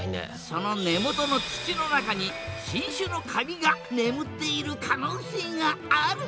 その根元の土の中に新種のカビが眠っている可能性がある！？